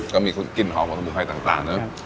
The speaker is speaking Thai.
ก็มีกลิ่นหอมของสมุนไพรต่างเนอะ